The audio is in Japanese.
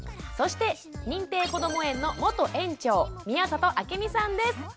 そして認定こども園の元園長宮里暁美さんです。